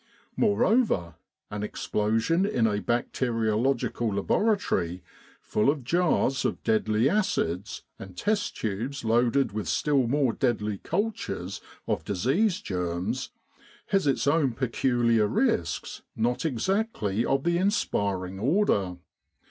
Moreover an explosion in a bacteriological laboratory full of jars of deadly acids, and test tubes loaded with still more deadly cultures of disease germs, has its own peculiar risks not exactly of the inspiring order.